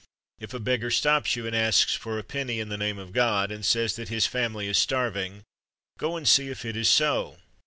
If a beggar stops you and asks for a penny in the name of God, and says that his family is starving, go and see if it is so.